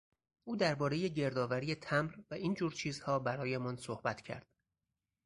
او دربارهی گرد آوری تمبر و این جور چیزها برایمان صحبت کرد.